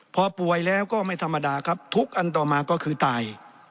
พอป่วยแล้วก็ไม่ธรรมดาครับทุกอันต่อมาก็คือตาย